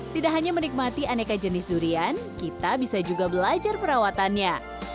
tidak hanya menikmati aneka jenis durian kita bisa juga belajar perawatannya